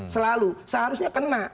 selalu seharusnya kena